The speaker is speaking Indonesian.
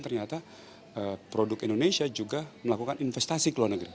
ternyata produk indonesia juga melakukan investasi ke luar negeri